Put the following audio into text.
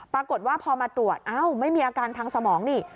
ปรากฏว่าพอมาตรวจอ้าวไม่มีอาการทางสมองนี่